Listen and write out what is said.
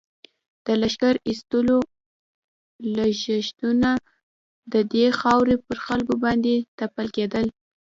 د لښکر ایستلو لږښتونه د دې خاورې پر خلکو باندې تپل کېدل.